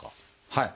はい。